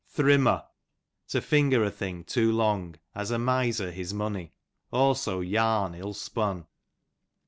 Thrimmo, to finger a thing too long, as a miser his money ; also yarn ill spun.